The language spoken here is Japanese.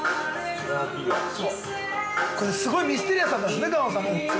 ◆これ、すごいミステリアスなんですよね。